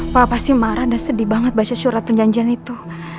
pak pasti marah dan sedih banget baca surat perjanjian itu